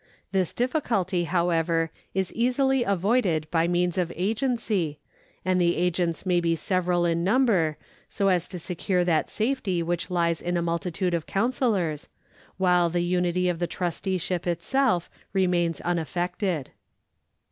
This difficulty, however, is easily avoided by means of agency, and the agents may be several in number, so as to secure that safety which lies in a multitude of counsellors, while the unity of the trusteeship itself remains unaffected.